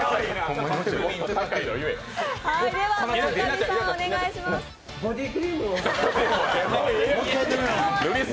では、村上さんお願いします